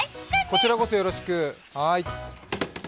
こちらこそよろしく、はーい。